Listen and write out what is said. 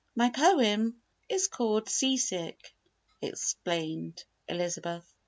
"My poem is called 'Sea sick,'" explained Elizabeth.